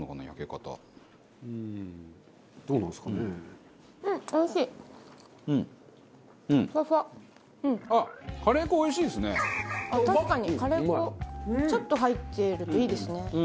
確かにカレー粉ちょっと入ってるのいいですね。